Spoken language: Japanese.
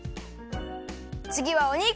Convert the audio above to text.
つぎはお肉！